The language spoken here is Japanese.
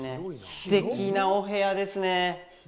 ステキなお部屋ですね。